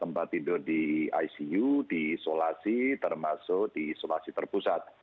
tempat tidur di icu di isolasi termasuk di isolasi terpusat